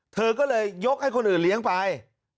เธอก็เลยยกให้คนอื่นเลี้ยงไป